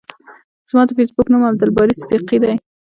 زما د فیسبوک نوم عبدالباری صدیقی ده.